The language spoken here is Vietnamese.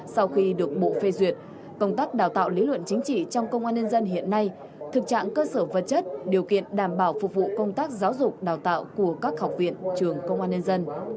sau khi được bộ phê duyệt công tác đào tạo lý luận chính trị trong công an nhân dân hiện nay thực trạng cơ sở vật chất điều kiện đảm bảo phục vụ công tác giáo dục đào tạo của các học viện trường công an nhân dân